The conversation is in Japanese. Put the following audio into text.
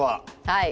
はい。